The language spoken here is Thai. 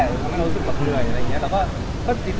ทำให้เรารู้สึกเหนื่อย